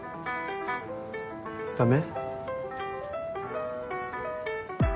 ダメ？